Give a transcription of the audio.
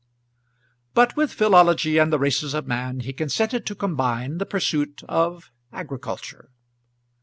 But with philology and the races of man he consented to combine the pursuit of agriculture.